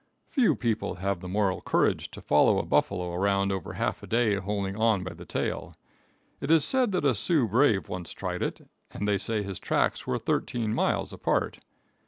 Few people have the moral courage to follow a buffalo around over half a day holding on by the tail. It is said that a Sioux brave once tried it, and they say his tracks were thirteen miles apart.